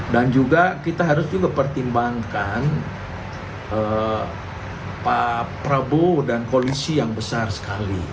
dan juga kita harus juga pertimbangkan pak prabowo dan koalisi yang besar sekali